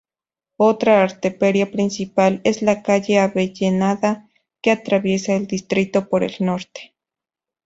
Otra arteria principal es la calle Avellaneda que atraviesa el distrito por el Norte.